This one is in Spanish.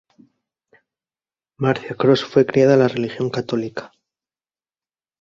Marcia Cross fue criada en la religión católica.